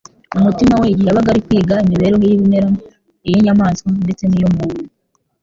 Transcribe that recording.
mu mutima we igihe yabaga ari kwiga imibereho y'ibimera, iy'inyamaswa, ndetse n'iy'umuntu.